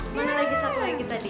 gimana lagi satu lagi tadi